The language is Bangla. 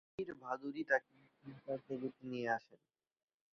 শিশির ভাদুড়ী তাঁকে থিয়েটার জগতে নিয়ে আসেন।